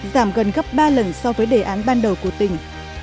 giảm gần gấp ba lần so với đề án ban đầu của tỉnh